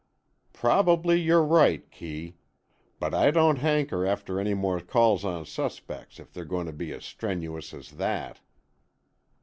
"Probably you're right, Kee, but I don't hanker after any more calls on suspects if they're going to be as strenuous as that."